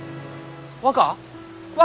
若？